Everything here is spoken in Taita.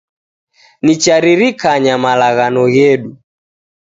Nicharirikanya malaghano ghedu